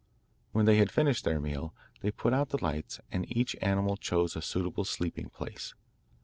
When they had finished their meal they put out the lights, and each animal chose a suitable sleeping place.